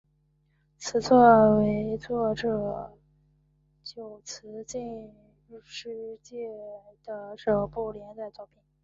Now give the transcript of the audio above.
此作为作者久慈进之介的首部连载作品。